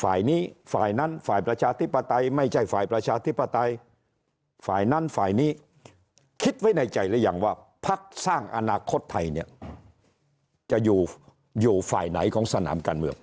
ฝ่ายนี้ฝ่ายนั้นฝ่ายประชาธิปไตยไม่ใช่ฝ่ายประชาธิปไตยฝ่ายนั้นฝ่ายนี้คิดไว้ในใจหรือยังว่าพักสร้างอนาคตไทยเนี่ยจะอยู่อยู่ฝ่ายไหนของสนามการเมือง